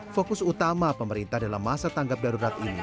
fokus utama pemerintah dalam masa tanggap darurat ini